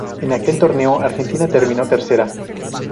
En aquel torneo Argentina termino tercera.